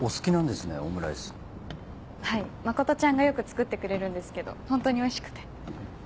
はい真ちゃんがよく作ってくれるんですけどホントにおいしくて。